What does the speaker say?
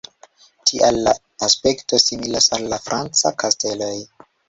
Tial la aspekto similas al la francaj kasteloj.